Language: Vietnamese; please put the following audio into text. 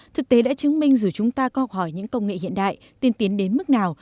thực tế đã chứng minh dù chúng ta học hỏi những công nghệ hiện đại tiên tiến đến mức nào